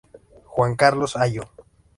Juan Carlos Allo.